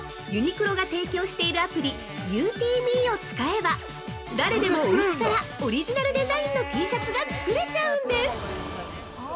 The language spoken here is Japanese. ユニクロが提供しているアプリ「ＵＴｍｅ！」を使えば、誰でもお家からオリジナルデザインのシャツが作れちゃうんです。